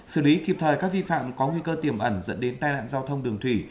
xử lý kịp thời các vi phạm có nguy cơ tiềm ẩn dẫn đến tai nạn giao thông đường thủy